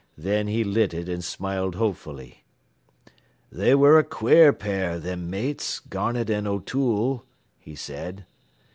Then he lit it and smiled hopefully. "They ware a quare pair, them mates, Garnett an' O'Toole," he said.